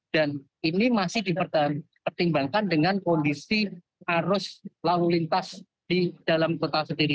dan ini masih dipertimbangkan dengan kondisi arus lalu lintas di dalam kota sendiri